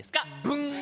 ブン！